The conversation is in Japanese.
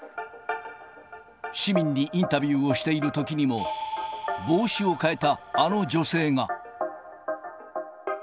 市民にインタビューをしているときにも、帽子を変えたあの女性が。